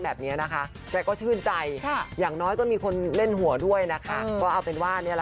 แบบที่แน่นะคะต้องบอกว่าแม่พี่ฮาย